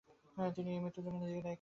তিনি এই মৃত্যুর জন্য নিজেকে দায়ী করতেন।